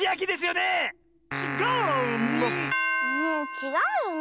ちがうよね